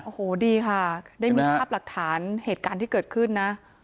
โอ้โหดีค่ะได้มีภาพหลักฐานเหตุการณ์ที่เกิดขึ้นนะ